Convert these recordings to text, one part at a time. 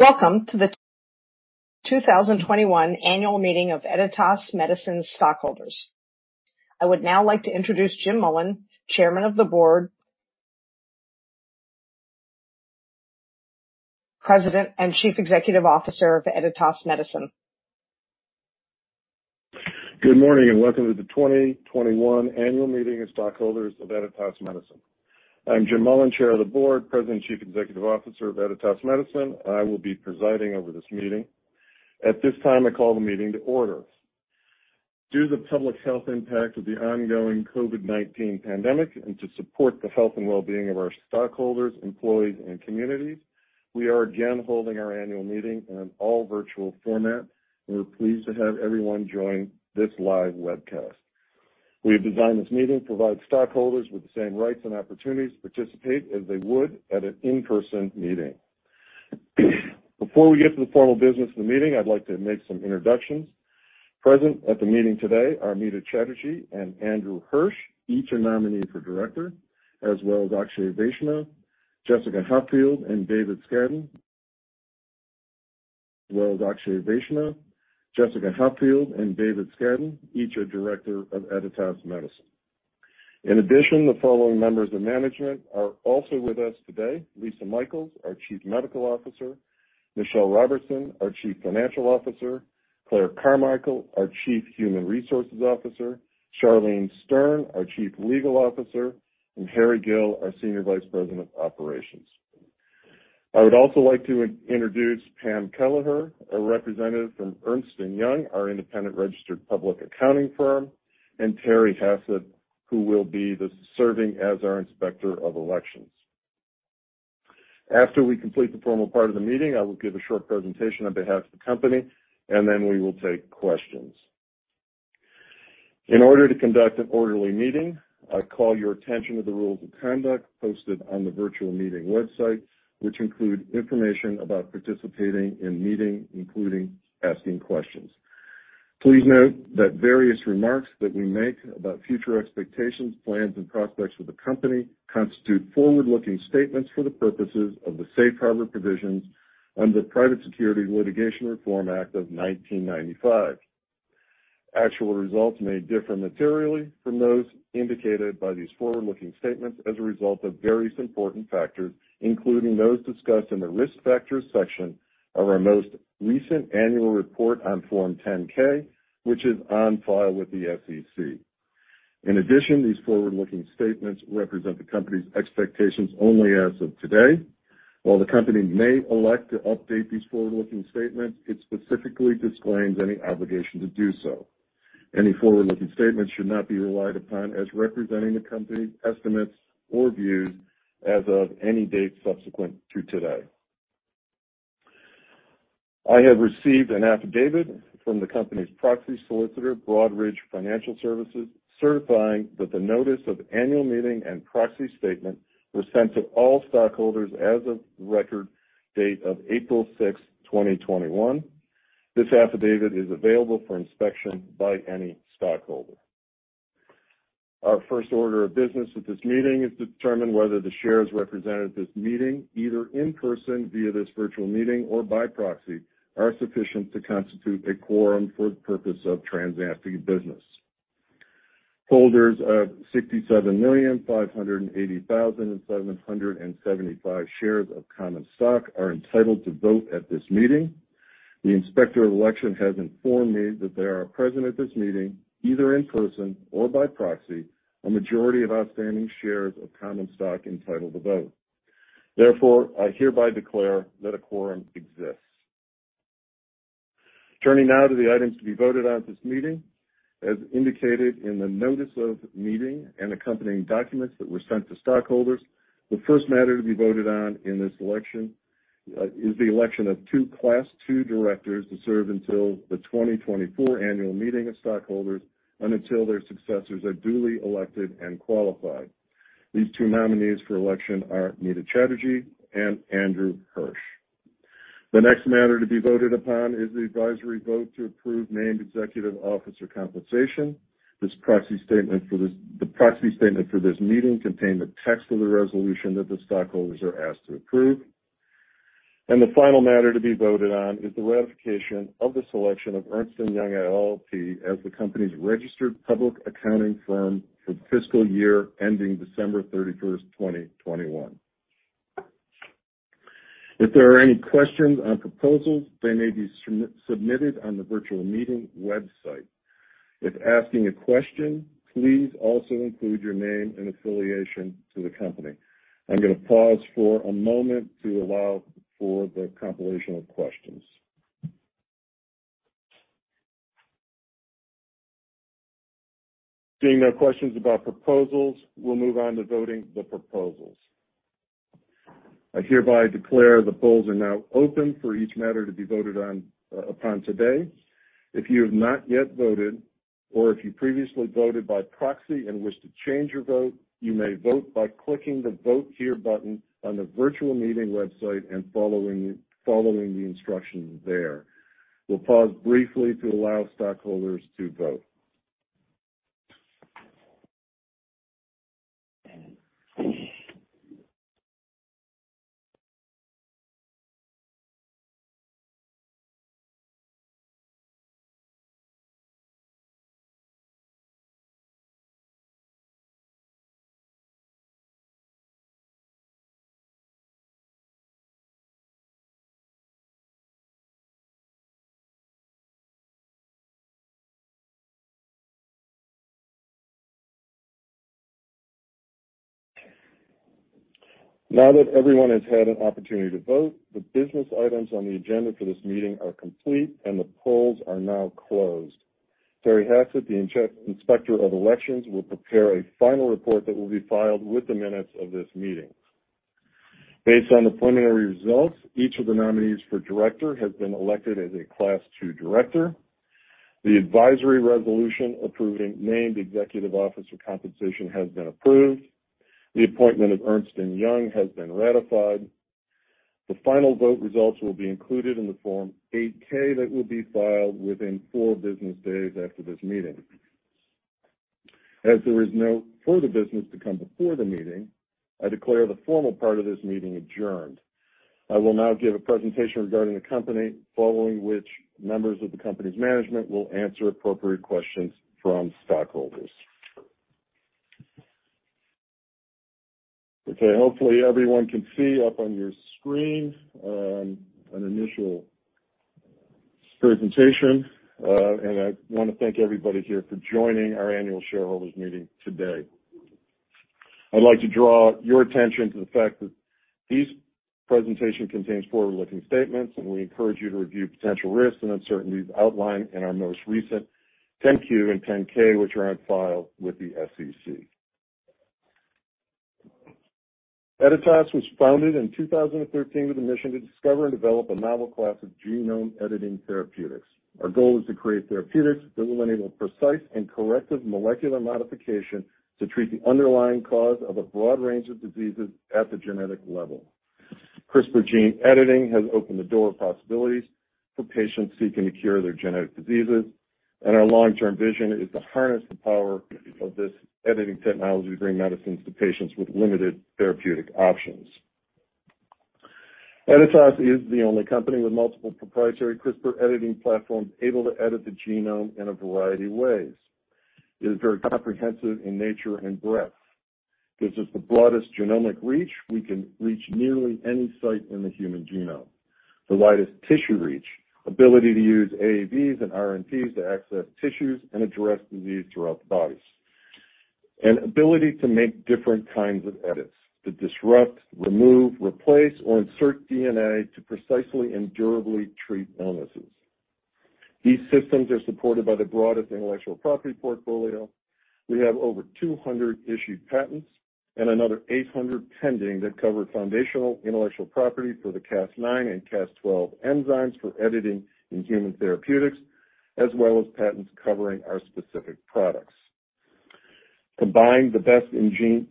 Welcome to the 2021 annual meeting of Editas Medicine stockholders. I would now like to introduce Jim Mullen, Chairman of the Board, President, and Chief Executive Officer of Editas Medicine. Good morning, and welcome to the 2021 annual meeting of stockholders of Editas Medicine. I'm Jim Mullen, Chair of the Board, President, and Chief Executive Officer of Editas Medicine. I will be presiding over this meeting. At this time, I call the meeting to order. Due to the public health impact of the ongoing COVID-19 pandemic and to support the health and well-being of our stockholders, employees, and communities, we are again holding our annual meeting in an all-virtual format, and we're pleased to have everyone join this live webcast. We have designed this meeting to provide stockholders with the same rights and opportunities to participate as they would at an in-person meeting. Before we get to the formal business of the meeting, I'd like to make some introductions. Present at the meeting today are Meeta Chatterjee and Andrew Hirsch, each a nominee for director, as well as Akshay Vaishnaw, Jessica Hopfield, and David Scadden, each a director of Editas Medicine. In addition, the following members of management are also with us today. Lisa Michaels, our Chief Medical Officer, Michelle Robertson, our Chief Financial Officer, Clare Carmichael, our Chief Human Resources Officer, Charlene Stern, our Chief Legal Officer, and Harry Gill, our Senior Vice President of Operations. I would also like to introduce Pam Kelleher, a representative from Ernst & Young, our independent registered public accounting firm, and Terry Hassett, who will be serving as our Inspector of Elections. After we complete the formal part of the meeting, I will give a short presentation on behalf of the company, and then we will take questions. In order to conduct an orderly meeting, I call your attention to the rules of conduct posted on the virtual meeting website, which include information about participating in the meeting, including asking questions. Please note that various remarks that we make about future expectations, plans, and prospects for the company constitute forward-looking statements for the purposes of the safe harbor provisions under the Private Securities Litigation Reform Act of 1995. Actual results may differ materially from those indicated by these forward-looking statements as a result of various important factors, including those discussed in the Risk Factors section of our most recent annual report on Form 10-K, which is on file with the SEC. In addition, these forward-looking statements represent the company's expectations only as of today. While the company may elect to update these forward-looking statements, it specifically disclaims any obligation to do so. Any forward-looking statements should not be relied upon as representing the company's estimates or views as of any date subsequent to today. I have received an affidavit from the company's proxy solicitor, Broadridge Financial Solutions, certifying that the notice of annual meeting and proxy statement was sent to all stockholders as of the record date of April 6, 2021. This affidavit is available for inspection by any stockholder. Our first order of business at this meeting is to determine whether the shares represented at this meeting, either in person, via this virtual meeting, or by proxy, are sufficient to constitute a quorum for the purpose of transacting business. Holders of 67,580,775 shares of common stock are entitled to vote at this meeting. The Inspector of Election has informed me that there are present at this meeting, either in person or by proxy, a majority of outstanding shares of common stock entitled to vote. Therefore, I hereby declare that a quorum exists. Turning now to the items to be voted on at this meeting. As indicated in the notice of the meeting and accompanying documents that were sent to stockholders, the first matter to be voted on in this election is the election of two Class II directors to serve until the 2024 annual meeting of stockholders and until their successors are duly elected and qualified. These two nominees for election are Meeta Chatterjee and Andrew Hirsch. The next matter to be voted upon is the advisory vote to approve named executive officer compensation. The proxy statement for this meeting contained the text of the resolution that the stockholders are asked to approve. The final matter to be voted on is the ratification of the selection of Ernst & Young LLP as the company's registered public accounting firm for the fiscal year ending December 31st, 2021. If there are any questions on proposals, they may be submitted on the virtual meeting website. If asking a question, please also include your name and affiliation to the company. I'm going to pause for a moment to allow for the compilation of questions. Seeing no questions about proposals, we'll move on to voting the proposals. I hereby declare the polls are now open for each matter to be voted upon today. If you have not yet voted or if you previously voted by proxy and wish to change your vote, you may vote by clicking the Vote Here button on the virtual meeting website and following the instructions there. We'll pause briefly to allow stockholders to vote. Now that everyone has had an opportunity to vote, the business items on the agenda for this meeting are complete, and the polls are now closed. Terry Hassett, the Inspector of Election, will prepare a final report that will be filed with the minutes of this meeting. Based on the preliminary results, each of the nominees for director has been elected as a Class II director. The advisory resolution approving named executive officer compensation has been approved. The appointment of Ernst & Young has been ratified. The final vote results will be included in the Form 8-K that will be filed within four business days after this meeting. As there is no further business to come before the meeting, I declare the formal part of this meeting adjourned. I will now give a presentation regarding the company, following which members of the company's management will answer appropriate questions from stockholders. Okay, hopefully everyone can see up on your screen an initial presentation, and I want to thank everybody here for joining our annual shareholders meeting today. I'd like to draw your attention to the fact that this presentation contains forward-looking statements, and we encourage you to review potential risks and uncertainties outlined in our most recent 10-Q and 10-K, which are on file with the SEC. Editas was founded in 2013 with a mission to discover and develop a novel class of genome editing therapeutics. Our goal is to create therapeutics that will enable precise and corrective molecular modification to treat the underlying cause of a broad range of diseases at the genetic level. CRISPR gene editing has opened the door of possibilities for patients seeking to cure their genetic diseases, and our long-term vision is to harness the power of this editing technology to bring medicines to patients with limited therapeutic options. Editas is the only company with multiple proprietary CRISPR editing platforms able to edit the genome in a variety of ways. It is very comprehensive in nature and breadth, gives us the broadest genomic reach. We can reach nearly any site in the human genome. The widest tissue reach, ability to use AAVs and RNPs to access tissues and address disease throughout the body, and ability to make different kinds of edits to disrupt, remove, replace, or insert DNA to precisely and durably treat illnesses. These systems are supported by the broadest intellectual property portfolio. We have over 200 issued patents and another 800 pending that cover foundational intellectual property for the Cas9 and Cas12 enzymes for editing in human therapeutics, as well as patents covering our specific products. Combining the best in gene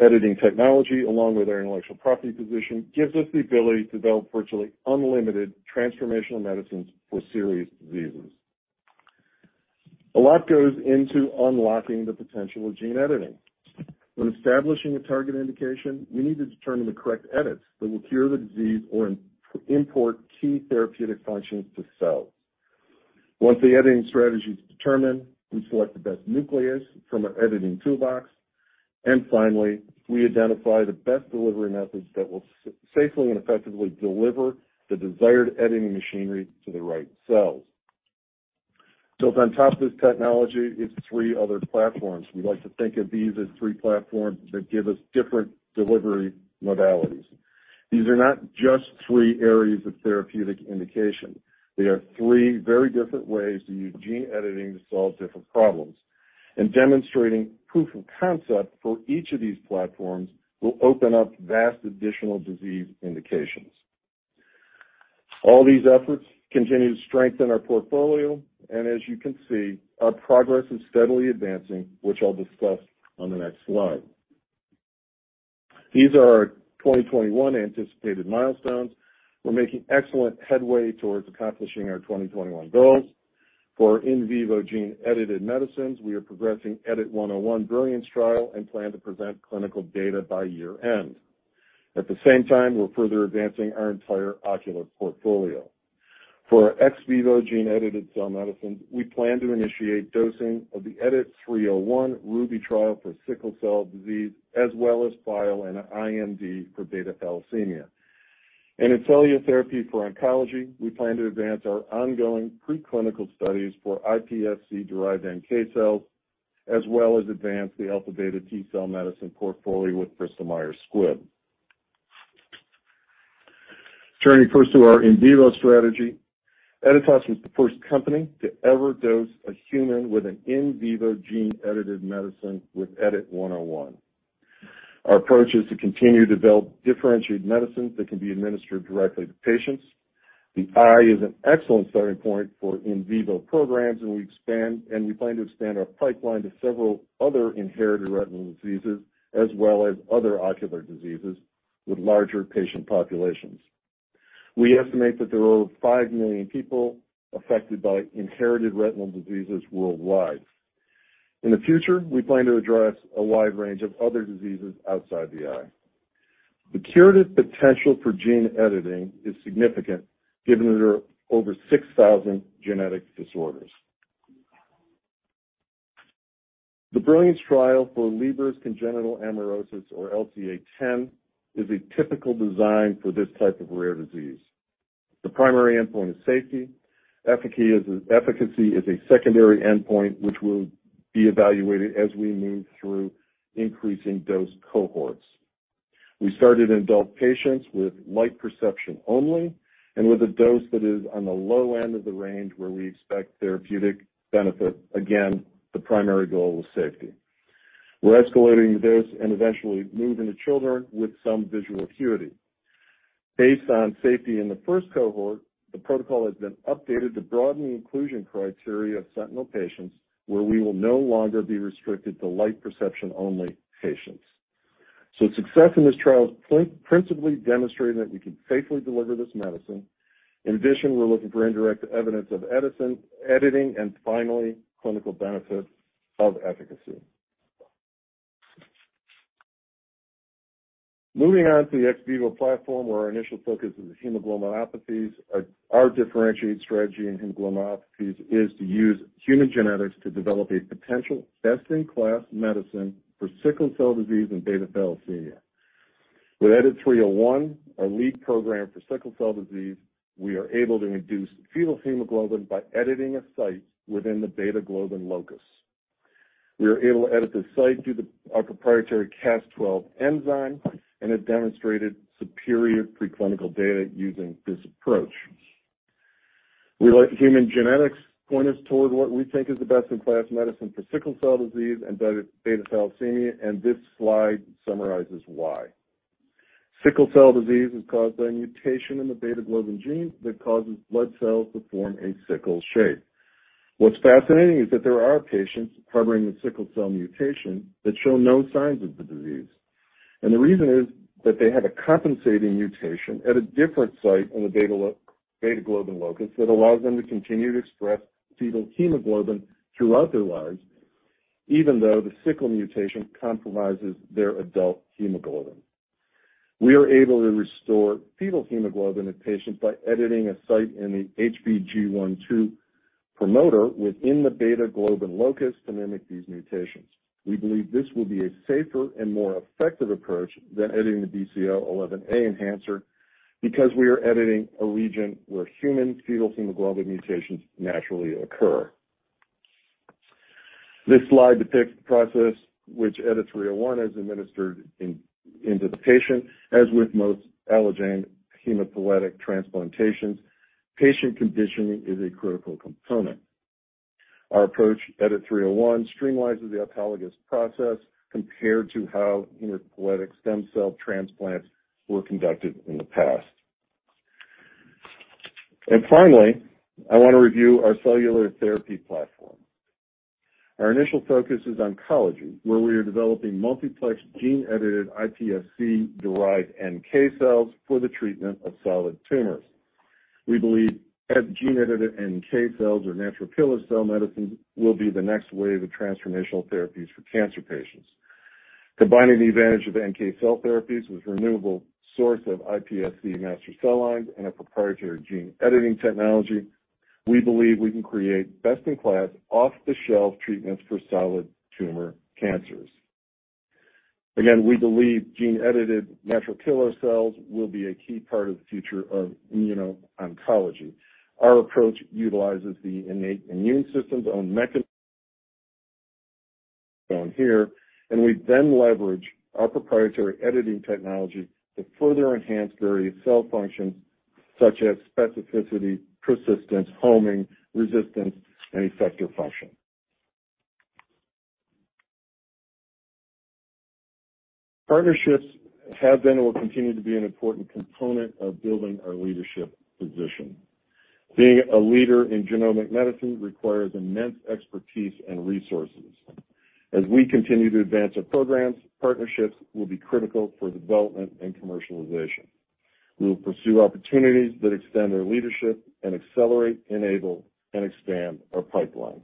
editing technology, along with our intellectual property position, gives us the ability to develop virtually unlimited transformational medicines for serious diseases. A lot goes into unlocking the potential of gene editing. When establishing a target indication, we need to determine the correct edits that will cure the disease or impart key therapeutic functions to cells. Once the editing strategy is determined, we select the best nuclease from our editing toolbox, and finally, we identify the best delivery methods that will safely and effectively deliver the desired editing machinery to the right cells. Built on top of this technology is three other platforms. We like to think of these as three platforms that give us different delivery modalities. These are not just three areas of therapeutic indication. They are three very different ways to use gene editing to solve different problems, and demonstrating proof of concept for each of these platforms will open up vast additional disease indications. All these efforts continue to strengthen our portfolio, and as you can see, our progress is steadily advancing, which I'll discuss on the next slide. These are our 2021 anticipated milestones. We're making excellent headway towards accomplishing our 2021 goals. For our in vivo gene-edited medicines, we are progressing EDIT-101 BRILLIANCE trial and plan to present clinical data by year-end. At the same time, we're further advancing our entire ocular portfolio. For our ex vivo gene-edited cell medicines, we plan to initiate dosing of the EDIT-301 RUBY trial for sickle cell disease, as well as file an IND for beta thalassemia. In cell therapy for oncology, we plan to advance our ongoing preclinical studies for iPSC-derived NK cells, as well as advance the alpha-beta T-cell medicine portfolio with Bristol Myers Squibb. Turning first to our in vivo strategy, Editas was the first company to ever dose a human with an in vivo gene-edited medicine with EDIT-101. Our approach is to continue to develop differentiated medicines that can be administered directly to patients. The eye is an excellent starting point for in vivo programs, and we plan to expand our pipeline to several other inherited retinal diseases, as well as other ocular diseases with larger patient populations. We estimate that there are over 5 million people affected by inherited retinal diseases worldwide. In the future, we plan to address a wide range of other diseases outside the eye. The curative potential for gene editing is significant given there are over 6,000 genetic disorders. The BRILLIANCE trial for Leber congenital amaurosis, or LCA10, is a typical design for this type of rare disease. The primary endpoint is safety. Efficacy is a secondary endpoint, which will be evaluated as we move through increasing dose cohorts. We started in adult patients with light perception only and with a dose that is on the low end of the range where we expect therapeutic benefit, again, the primary goal of safety. We're escalating dose and eventually moving to children with some visual acuity. Based on safety in the first cohort, the protocol has been updated to broaden the inclusion criteria of sentinel patients, where we will no longer be restricted to light perception-only patients. Success in this trial is principally demonstrating that we can safely deliver this medicine. In addition, we're looking for indirect evidence of editing and finally, clinical benefits of efficacy. Moving on to the ex vivo platform, where our initial focus is hemoglobinopathies, our differentiated strategy in hemoglobinopathies is to use human genetics to develop a potential best-in-class medicine for sickle cell disease and beta thalassemia. With EDIT-301, our lead program for sickle cell disease, we are able to induce fetal hemoglobin by editing a site within the beta-globin locus. We are able to edit the site through our proprietary Cas12 enzyme and have demonstrated superior preclinical data using this approach. We let human genetics point us toward what we think is the best-in-class medicine for sickle cell disease and beta thalassemia, and this slide summarizes why. Sickle cell disease is caused by a mutation in the beta globin genes that causes blood cells to form a sickle shape. What's fascinating is that there are patients harboring the sickle cell mutation that show no signs of the disease, and the reason is that they had a compensating mutation at a different site in the beta-globin locus that allows them to continue to express fetal hemoglobin throughout their lives, even though the sickle mutation compromises their adult hemoglobin. We are able to restore fetal hemoglobin in patients by editing a site in the HBG1/2 promoter within the beta-globin locus to mimic these mutations. We believe this will be a safer and more effective approach than editing the BCL11A enhancer because we are editing a region where human fetal hemoglobin mutations naturally occur. This slide depicts the process which EDIT-301 has administered into the patient. As with most allogeneic hematopoietic transplantations, patient conditioning is a critical component. Our approach, EDIT-301, streamlines the autologous process compared to how hematopoietic stem cell transplants were conducted in the past. Finally, I want to review our cellular therapy platform. Our initial focus is oncology, where we are developing multiplex gene-edited iPSC-derived NK cells for the treatment of solid tumors. We believe gene-edited NK cells or natural killer cell medicines will be the next wave of transformational therapies for cancer patients. Combining the advantage of NK cell therapies with renewable source of iPSC master cell lines and a proprietary gene-editing technology, we believe we can create best-in-class off-the-shelf treatments for solid tumor cancers. Again, we believe gene-edited natural killer cells will be a key part of the future of immuno-oncology. Our approach utilizes the innate immune system's own mechanism, shown here. We then leverage our proprietary editing technology to further enhance various cell functions such as specificity, persistence, homing, resistance, and effector function. Partnerships have been and will continue to be an important component of building our leadership position. Being a leader in genomic medicine requires immense expertise and resources. As we continue to advance our programs, partnerships will be critical for development and commercialization. We will pursue opportunities that extend our leadership and accelerate, enable, and expand our pipeline.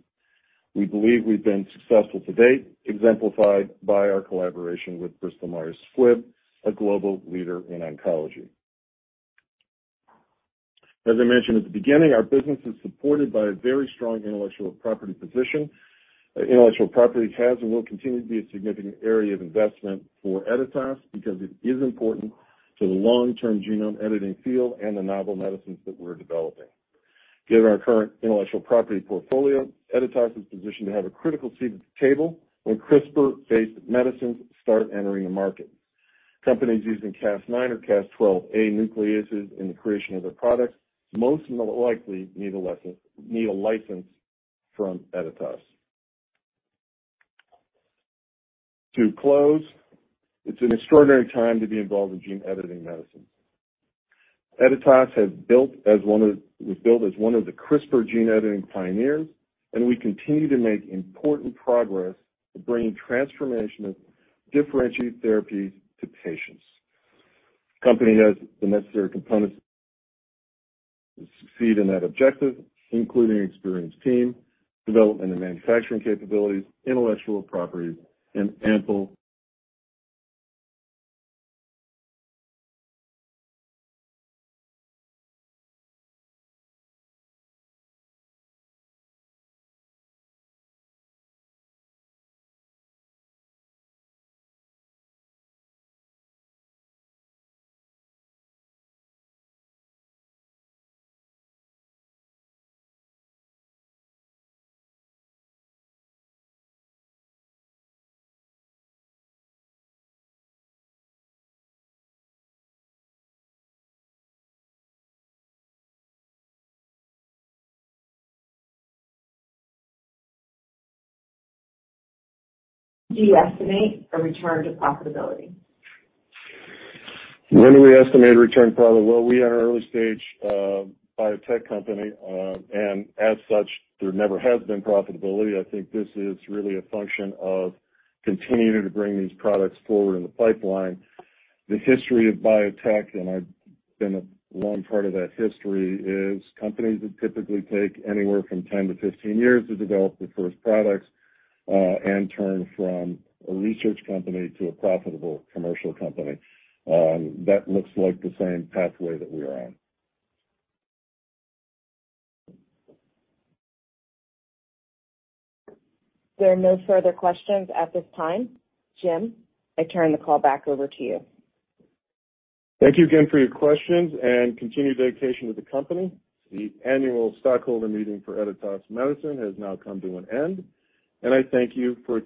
We believe we've been successful to date, exemplified by our collaboration with Bristol Myers Squibb, a global leader in oncology. As I mentioned at the beginning, our business is supported by a very strong intellectual property position. Intellectual property has and will continue to be a significant area of investment for Editas because it is important to the long-term genome editing field and the novel medicines that we're developing. Given our current intellectual property portfolio, Editas is positioned to have a critical seat at the table when CRISPR-based medicines start entering the market. Companies using Cas9 or Cas12a nucleases in the creation of their products most likely need a license from Editas. To close, it's an extraordinary time to be involved in gene editing medicine. Editas was built as one of the CRISPR gene editing pioneers, and we continue to make important progress to bring transformational differentiate therapy to patients. The company has the necessary components to succeed in that objective, including experienced team, development and manufacturing capabilities, intellectual property and ample. Do you estimate a return to profitability? When do we estimate return to profitability? Well, we are an early-stage biotech company, and as such, there never has been profitability. I think this is really a function of continuing to bring these products forward in the pipeline. The history of biotech, and I've been a long part of that history, is companies that typically take anywhere from 10-15 years to develop their first products, and turn from a research company to a profitable commercial company. That looks like the same pathway that we're on. There are no further questions at this time. Jim, I turn the call back over to you. Thank you again for your questions and continued dedication to the company. The annual stockholder meeting for Editas Medicine has now come to an end. I thank you for.